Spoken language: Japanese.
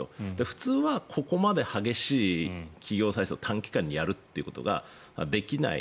普通はここまで激しい企業再生を短期間にやるということができない。